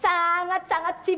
ibu juga sangat sangat sibuk